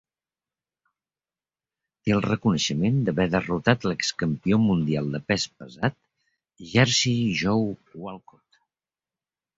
Té el reconeixement d'haver derrotat l'ex campió mundial de pes pesat Jersey Joe Walcott.